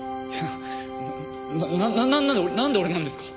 なななんで俺なんで俺なんですか？